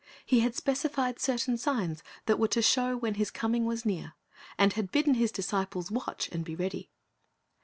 He had specified certain signs that were to show when His coming was near, and had bidden His disciples watch and be ready.